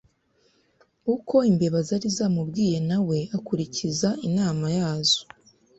uko imbeba zari zamubwiye na we akurikiza inama yazo.